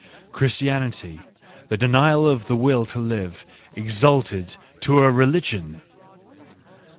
Christianity, the Denial of the Will to Live, exalted to a religion